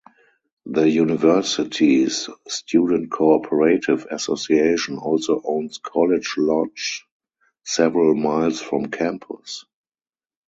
The university's Student Cooperative Association also owns College Lodge several miles from campus.